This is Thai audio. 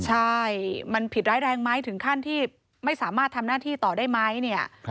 ใช่มันผิดร้ายแรงไหมถึงขั้นที่ไม่สามารถทำหน้าที่ต่อได้ไหมเนี่ย